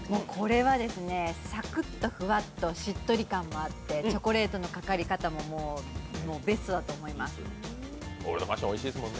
これはですね、サクッと、ふわっと、しっとり感もあって、チョコレートのかかり方もベストだと思います。